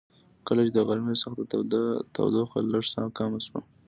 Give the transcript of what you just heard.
کله چې د غرمې سخته تودوخه لږ څه کمه شوه.